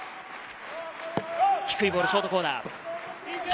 低いボール、ショートコーナー。